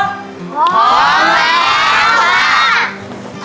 พร้อมแล้ว